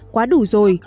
quá đủ rồi